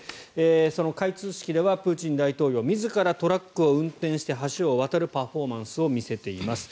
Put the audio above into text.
その開通式ではプーチン大統領自らトラックを運転して橋を渡るパフォーマンスを見せています。